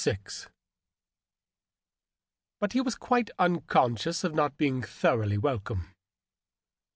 VI. But he was quite unconscious of not being thoroughly welcome.